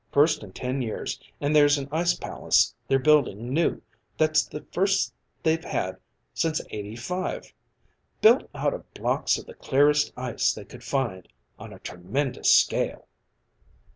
First in ten years. And there's an ice palace they're building new that's the first they've had since eighty five. Built out of blocks of the clearest ice they could find on a tremendous scale."